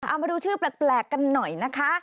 เอามาดูชื่อแปลกกันหน่อยนะคะ